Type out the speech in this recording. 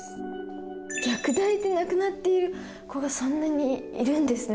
虐待で亡くなっている子がそんなにいるんですね。